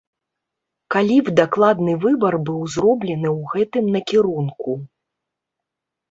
Калі б дакладны выбар быў зроблены ў гэтым накірунку.